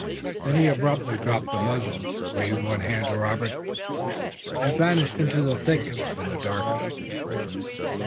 Then he abruptly dropped the muzzle, waved one hand to Robert, and vanished in the thickets and the darkness.